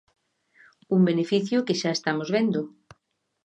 Un beneficio que xa estamos vendo.